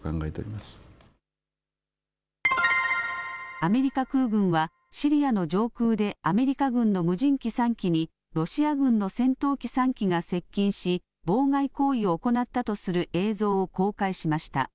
アメリカ空軍はシリアの上空でアメリカ軍の無人機３機にロシア軍の戦闘機３機が接近し妨害行為を行ったとする映像を公開しました。